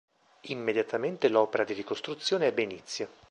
Immediatamente l'opera di ricostruzione ebbe inizio.